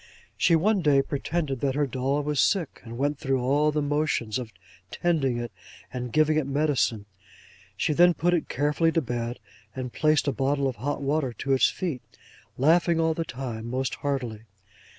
'She one day pretended that her doll was sick; and went through all the motions of tending it, and giving it medicine; she then put it carefully to bed, and placed a bottle of hot water to its feet, laughing all the time most heartily.